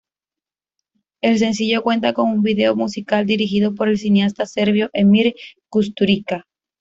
El sencillo cuenta con un video musical dirigido por el cineasta serbio Emir Kusturica.